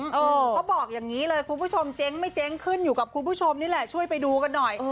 เขาบอกอย่างนี้เลยคุณผู้ชมเจ๊งไม่เจ๊งขึ้นอยู่กับคุณผู้ชมนี่แหละช่วยไปดูกันหน่อย